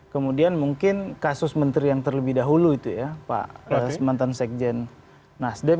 kemudian mungkin kasus menteri yang terlebih dahulu itu ya pak mantan sekjen nasdem